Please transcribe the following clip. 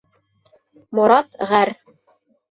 Морат ғәр.